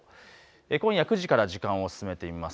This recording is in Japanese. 今夜９時から時間を進めてみます。